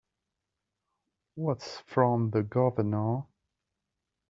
What's from the Governor?